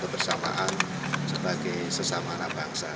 kami bersama sama sebagai sesama anak bangsa